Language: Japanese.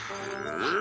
うん？